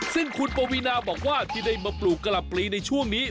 ซึ่งคุณปวีนาบอกว่าที่ได้มาปลูกกะหล่ำปลีในช่วงนี้